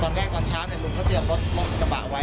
ตอนแรกก่อนเช้าเนี่ยลุงเขาเตรียมรถรถประกะบาต้มไว้